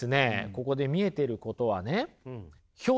ここで見えていることはね